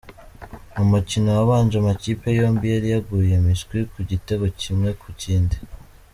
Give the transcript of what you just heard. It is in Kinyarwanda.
Mu mukino wabanje amakipe yombi yari yaguye miswi ku gitego kimwe ku kindi.